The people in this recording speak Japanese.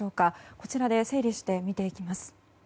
こちらで整理して見ていきます。